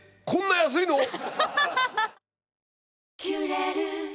こんな安いの⁉